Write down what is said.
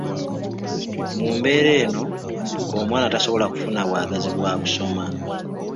Mu mbeera eno, omwana tasobola kufuna bwagazi bwa kusoma.